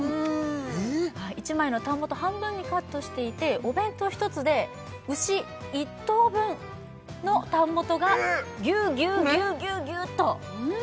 １枚のタン元半分にカットしていてお弁当１つで牛１頭分のタン元がぎゅうぎゅうぎゅうぎゅうぎゅう！と１頭分ですえっ